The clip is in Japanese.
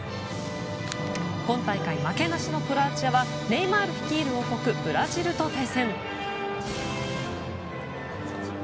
今大会負けなしのクロアチアはネイマール率いる王国ブラジルと対戦。